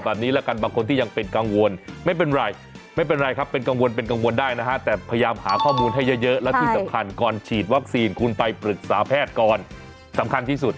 แบบนี้ละกันบางคนที่ยังเป็นกังวลไม่เป็นไรไม่เป็นไรครับเป็นกังวลเป็นกังวลได้นะฮะแต่พยายามหาข้อมูลให้เยอะและที่สำคัญก่อนฉีดวัคซีนคุณไปปรึกษาแพทย์ก่อนสำคัญที่สุด